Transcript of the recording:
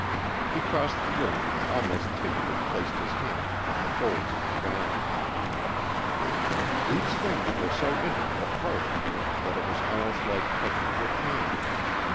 He crossed the room and almost timidly placed his hands upon the folds of the gown. These things were so intimate a part of her that it was almost like touching her hand.